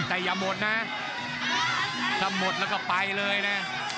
แต่อย่าหมดนะถ้าหมดแล้วก็ไปเลยนะ